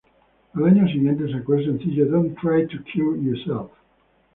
Al año siguiente sacó el sencillo ""Don't Try to Cure Yourself"".